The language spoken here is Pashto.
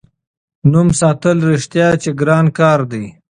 نوم ساتل رښتیا چې ګران کار دی.